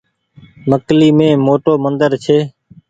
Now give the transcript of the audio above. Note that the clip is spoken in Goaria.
مڪلي مين موٽو مندر ڇي۔